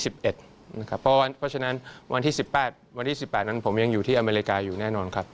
เพราะฉะนั้นวันที่๑๘วันที่๑๘นั้นผมยังอยู่ที่อเมริกาอยู่แน่นอนครับ